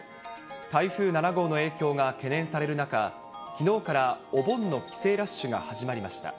台風７号の影響が懸念される中、きのうからお盆の帰省ラッシュが始まりました。